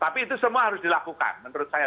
tapi itu semua harus dilakukan menurut saya